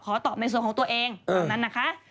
ขอตอบในส่วนของตัวเองตามนั้นนะคะ